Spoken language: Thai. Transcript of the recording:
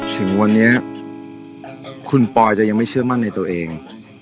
ถึงวันนี้คุณปอยจะยังไม่เชื่อมั่นในตัวเอง